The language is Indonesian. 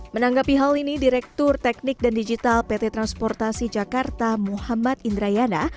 menanggapi hal ini direktur teknik dan digital pt transportasi jakarta muhammad indrayana